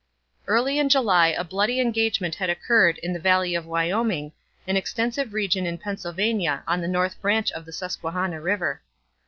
Early in July a bloody engagement had occurred in the valley of Wyoming, an extensive region in Pennsylvania on the north branch of the Susquehanna river.